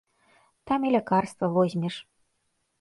Там і лякарства возьмеш.